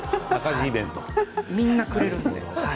みんなくれるのでね。